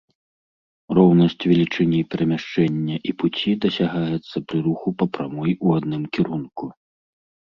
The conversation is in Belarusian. Роўнасць велічыні перамяшчэння і пуці дасягаецца пры руху па прамой у адным кірунку.